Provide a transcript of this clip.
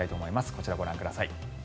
こちら、ご覧ください。